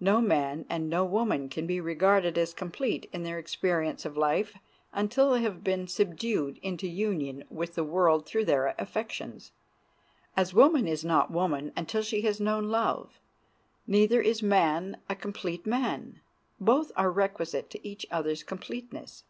No man and no woman can be regarded as complete in their experience of life until they have been subdued into union with the world through their affections. As woman is not woman until she has known love, neither is man a complete man. Both are requisite to each other's completeness.